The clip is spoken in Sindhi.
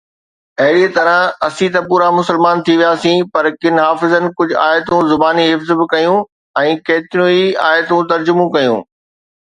اهڙيءَ طرح اسين ته پورا مسلمان ٿي وياسين، پر ڪن حافظن ڪجهه آيتون زباني حفظ به ڪيون ۽ ڪيتريون ئي آيتون ترجمو ڪيون.